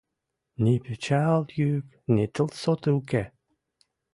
Ни пичӓл юк, ни тылсоты уке.